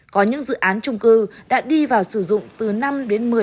có những dự án trung cư đã đi vào sử dụng từ năm một mươi năm